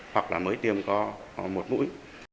hoặc là mới tiêm có một mũi